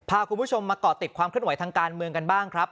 พาคุณผู้ชมมาเกาะติดความเคลื่อนไหวทางการเมืองกันบ้างครับ